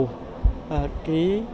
cái dự án nhà ở xã hội